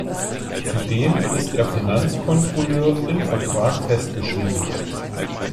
Zudem ist der Finanzkontrolleur im Vertrag festgeschrieben.